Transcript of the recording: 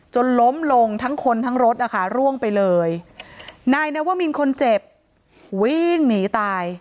จนล้มลงทั้งคนทั้งรถนะคะร่วงไปเลยนายนวมินคนเจ็บวิ่งหนีตาย